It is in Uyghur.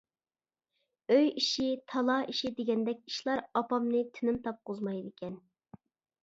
ئۆي ئىشى، تالا ئىشى دېگەندەك ئىشلار ئاپامنى تىنىم تاپقۇزمايدىكەن.